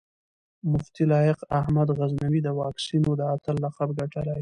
مفتي لائق احمد غزنوي د واکسينو د اتل لقب ګټلی